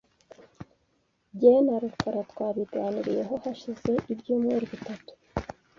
Jye na rukara twabiganiriyeho hashize ibyumweru bitatu .